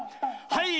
はい！